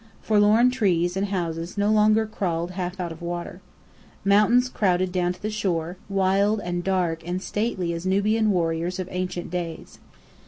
Forlorn trees and houses no longer crawled half out of water. Mountains crowded down to the shore, wild and dark and stately as Nubian warriors of ancient days.